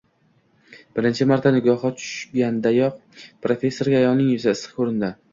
Birinchi marta nigohi tushgandayoq professorga ayolning yuzi issiq ko`rindi